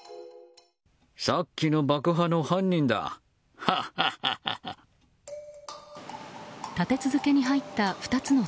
さっきの爆破の知人だ。